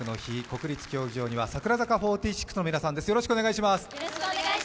国立競技場には櫻坂４６の皆さんです。